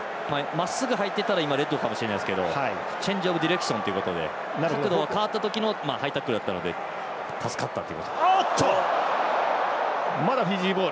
まっすぐ入ってたらレッドかもしれないですけどチェンジオブディレクションということで角度が変わった時のハイタックルだったので助かったと。